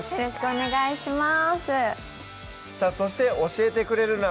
お願いします